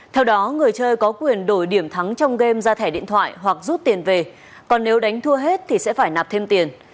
theo đó người chơi có quyền đổi điểm thắng trong game ra thẻ điện thoại hoặc rút tiền về còn nếu đánh thua hết thì sẽ phải nạp thêm tiền